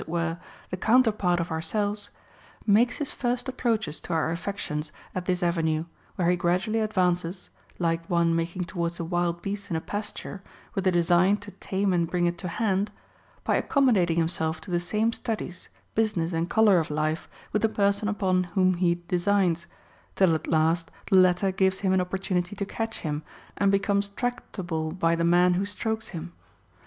107 it were, the counterpart of ourselves, makes his first ap proaches to our affections at this avenue, where he gradu ally advances (like one making towards a wild beast in a pasture, with a design to tame and bring it to hand) by accommodating himself to the same studies, business, and color of life with the person upon whom he designs, till at last the latter gives him an opportunity to catch him, and becomes tractable by the man who strokes him.